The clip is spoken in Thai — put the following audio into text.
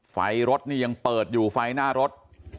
ไฟรถนี่ยังเปิดอยู่ไฟหน้ารถ